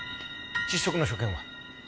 窒息の所見は？